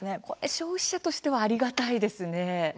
消費者としてはありがたいですね。